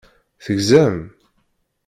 Tegzam?